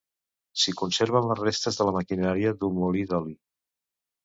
S'hi conserven les restes de la maquinària d'un molí d'oli.